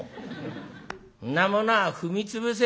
「そんなものは踏み潰せ」。